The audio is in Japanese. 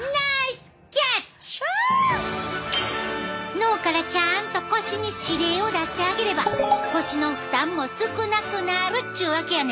脳からちゃんと腰に指令を出してあげれば腰の負担も少なくなるっちゅうわけやねん！